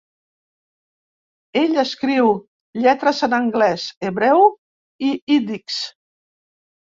Ell escriu lletres en anglès, hebreu i ídix.